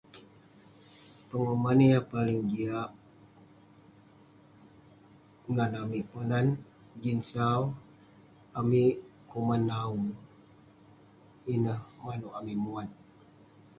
Penguman yah paling jiak ngan amik Ponan jin sau, amik kuman nawu. Ineh manouk amik muat.